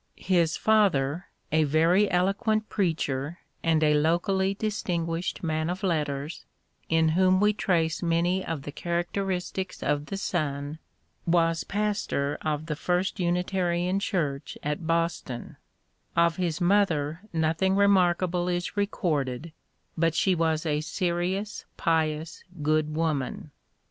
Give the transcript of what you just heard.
His father, a very eloquent preacher and a locally distinguished man of letters, in whom we trace many of the characteristics of the son, was pastor of the first Unitarian Church at Boston, Of his mother nothing remarkable is recorded, but she was a serious, pious, good woman.